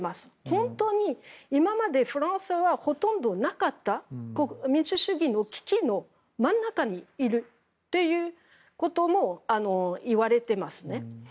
本当に今までフランスはほとんどなかった民主主義の危機の真ん中にいるということもいわれてますね。